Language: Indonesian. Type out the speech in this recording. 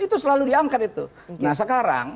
itu selalu diangkat itu nah sekarang